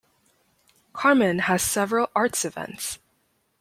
Carman has several arts events.